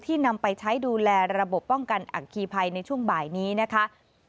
นำไปใช้ดูแลระบบป้องกันอัคคีภัยในช่วงบ่ายนี้นะคะ